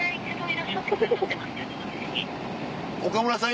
岡村さん